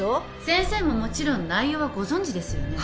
先生ももちろん内容はご存じですよね？